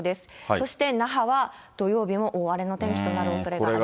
そして那覇は土曜日も大荒れの天気になるおそれがありますね。